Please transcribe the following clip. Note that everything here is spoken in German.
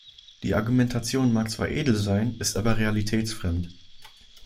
Die Argumentation mag zwar edel sein, ist aber realitätsfremd.